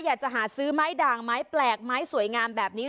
อยากจะหาซื้อไม้ด่างไม้แปลกไม้สวยงามแบบนี้